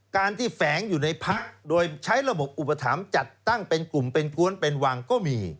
การที่แฝงอยู่ในพักโดยใช้ระบบอุปถัมภ์จัดตั้งเป็นกลุ่มเป็นกวนเป็นวังก็มี